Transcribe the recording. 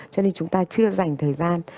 cho nên chúng ta chưa dành thời gian